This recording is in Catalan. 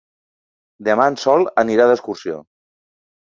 Demà en Sol anirà d'excursió.